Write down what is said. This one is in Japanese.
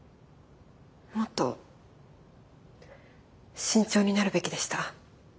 もっと慎重になるべきでした。